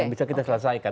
yang bisa kita selesaikan